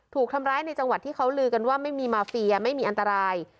ถูกทำร้ายในจังหวัดที่เขาลือกันว่าไม่มีมาเฟียไม่มีอันตราย